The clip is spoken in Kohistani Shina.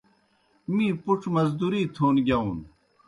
می پُڇ مزدوری تھون گِیاؤن۔